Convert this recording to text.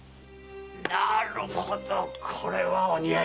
なるほどこれはお似合いかもしれぬ。